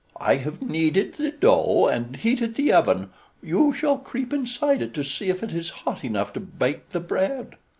I have kneaded the dough, and heated the oven; you shall creep inside it to see if it is hot enough to bake the bread."